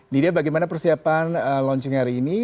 nida bagaimana persiapan launching hari ini